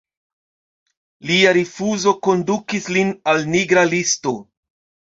Lia rifuzo kondukis lin al nigra listo.